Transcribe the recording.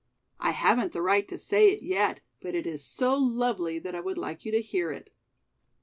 "I haven't the right to say it yet, but it is so lovely that I would like you to hear it."